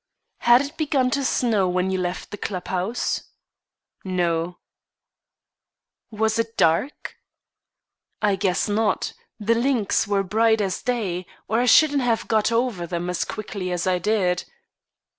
"Had it begun to snow when you left the clubhouse?" "No." "Was it dark?" "I guess not; the links were bright as day, or I shouldn't have got over them as quickly as I did."